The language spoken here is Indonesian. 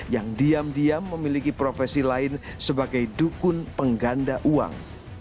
yang diam diam memiliki profesi lain sebagai dukun pengganda uang